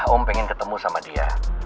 om pengen ketemu sama dia